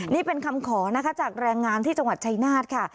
นี่เป็นคำขอนะคะจากแรงงานที่จังหวัดชายนาฏค่ะ